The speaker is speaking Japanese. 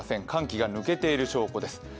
寒気が抜けている証拠です。